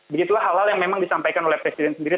begitulah hal hal yang memang disampaikan oleh presiden sendiri